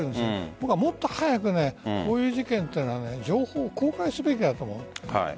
僕はもっと早く、こういう事件は情報を公開すべきだと思う。